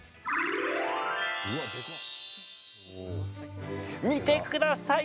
見てください！